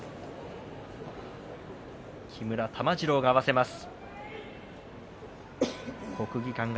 木村玉治郎が合わせます。